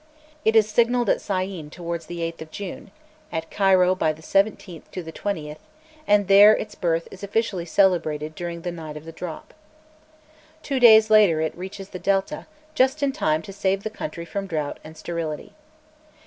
It is signalled at Syene towards the 8th of June, at Cairo by the 17th to the 20th, and there its birth is officially celebrated during the "Night of the Drop." Two days later it reaches the Delta, just in time to save the country from drought and sterility.